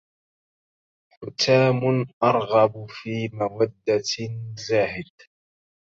حتام أرغب في مودة زاهد